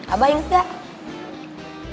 abah inget gak